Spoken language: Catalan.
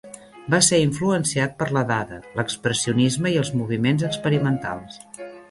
Va ser influenciat per la dada, l'expressionisme i els moviments experimentals.